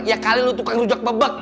ya kali lu tukang rujak bebek